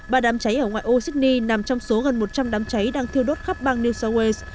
ba đám cháy ở ngoại ô sydney nằm trong số gần một trăm linh đám cháy đang thiêu đốt khắp bang new south wales